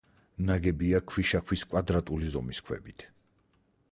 ნაგებია ქვიშა-ქვის კვადრატული ზომის ქვებით.